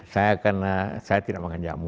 saya karena saya tidak makan jamu